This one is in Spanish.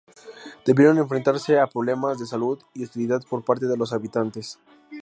Debieron enfrentarse a problemas de salud y hostilidad por parte de los habitantes.